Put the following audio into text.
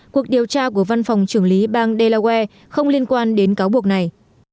cuộc điều tra của văn phòng trưởng lý bang delaware không liên quan đến cáo buộc này